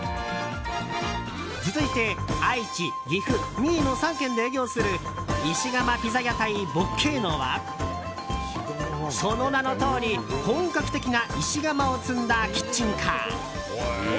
続いて愛知、岐阜、三重の３県で営業する石釜ＰＩＺＺＡ屋台ｂｏｃｃｈｅｎｏはその名のとおり本格的な石窯を積んだキッチンカー。